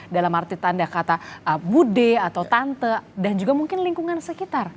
dalam arti tanda kata bude atau tante dan juga mungkin lingkungan sekitar